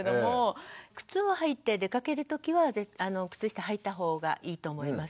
靴を履いて出かける時は靴下はいた方がいいと思います。